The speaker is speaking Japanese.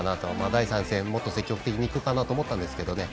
第３戦、もっと積極的にいくかなと思ったんですけどね